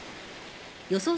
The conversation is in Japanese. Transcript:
予想